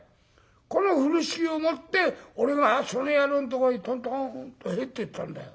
この風呂敷を持って俺がその野郎んとこへとんとんと入ってったんだよ。